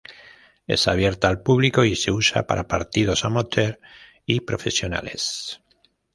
Es abierta al público y se usa para partidos amateurs y profesionales.